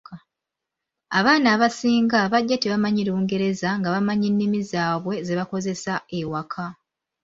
Abaana abasinga bajja tebamanyi Lungereza nga bamanyi nnimi zaabwe ze bakozesa ewaka.